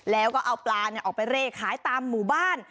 แล้วก็เอาปลาออกไปเร่ขายตามหมู่บ้าน